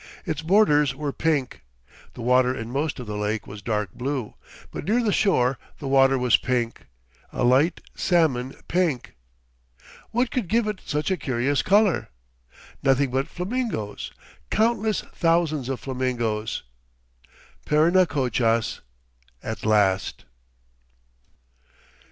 Its borders were pink. The water in most of the lake was dark blue, but near the shore the water was pink, a light salmon pink. What could give it such a curious color? Nothing but flamingoes, countless thousands of flamingoes Parinacochas at last!